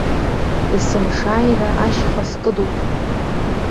Есымшааира ашьха скыдуп.